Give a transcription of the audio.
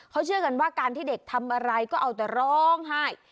เขาเชื่อกันว่าการที่เด็กทำอะไรก็เอาแต่ร้องไห้